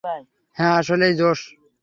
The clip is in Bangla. হ্যাঁ, আসলেই জোশ।